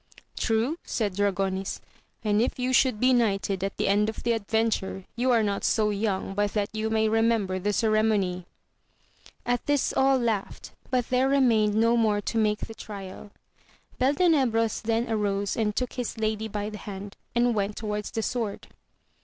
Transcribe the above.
True, said Dragonis ; and if you should be knighted at the end of the adventure, you are not 80 young but that you may remember the ceremony. 44 AMADIS OF GAUL. At this all laughed, but there remained no more to make the trial ; Beltenebros then arose and took his lady by the hand, and went towards the sword.